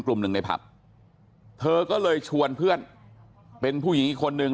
กลุ่มหนึ่งในผับเธอก็เลยชวนเพื่อนเป็นผู้หญิงอีกคนนึง